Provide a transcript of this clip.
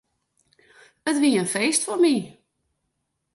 It wie in feest foar my.